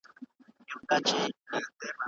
یو لوی مرض دی لویه وبا ده